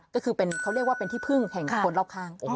ก็คือเป็นเขาเรียกว่าเป็นที่พึ่งแห่งคนรอบข้าง